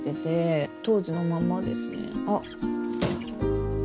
あっ！